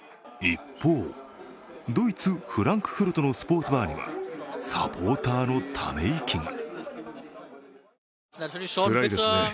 一方、ドイツ・フランクフルトのスポーツバーにはサポーターのため息が。